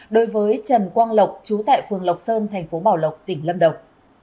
đối với trần quang lộc chú tại phường lộc sơn thành phố bảo lộc tỉnh lâm đồng